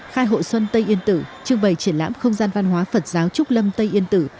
khai hội xuân tây yên tử trưng bày triển lãm không gian văn hóa phật giáo trúc lâm tây yên tử